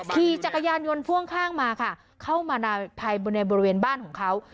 ขี่จักรยานยนต์พ่วงข้างมาค่ะเข้ามาภายในบริเวณบ้านของเขา